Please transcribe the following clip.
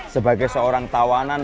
sebagai seorang tawanan